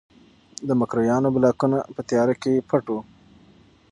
د مکروریانو بلاکونه په تیاره کې پټ وو.